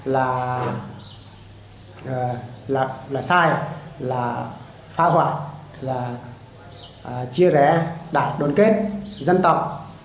là sai là phá hoại là chia rẽ đạt đoàn kết dân tộc